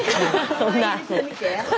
そんな。